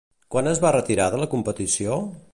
Quan es va retirar de la competició?